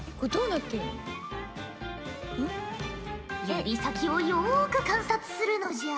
指先をよく観察するのじゃ。